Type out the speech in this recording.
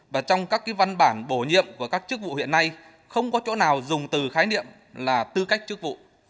và trong các văn bản bổ nhiệm của các chức vụ hiện nay không có chỗ nào dùng từ khái niệm là tư cách chức vụ